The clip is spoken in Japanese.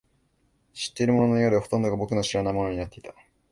知っているもののようで、ほとんどが僕の知らないものになっていた